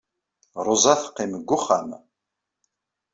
Ṛuza teqqim deg wexxam.